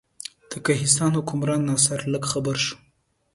د قهستان حکمران ناصر لک خبر شو.